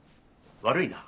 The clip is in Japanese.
悪いな。